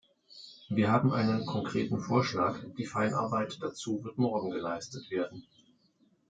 Wir haben einen konkreten Vorschlag, die Feinarbeit dazu wird morgen geleistet werden.